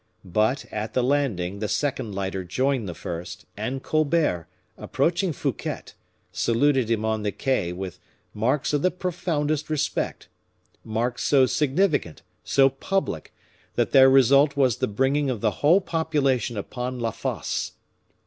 But, at the landing, the second lighter joined the first, and Colbert, approaching Fouquet, saluted him on the quay with marks of the profoundest respect marks so significant, so public, that their result was the bringing of the whole population upon La Fosse.